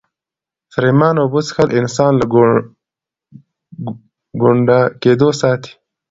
پرېمانه اوبه څښل انسان له ګونډه کېدو ساتي.